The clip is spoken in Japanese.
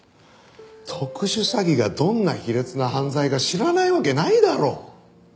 特殊詐欺がどんな卑劣な犯罪か知らないわけないだろ。